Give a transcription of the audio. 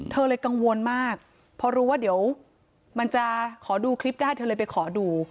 เธอเลยกังวลมากพอรู้ว่าเดี๋ยวมันจะขอดูคลิปได้เธอเลยไปขอดู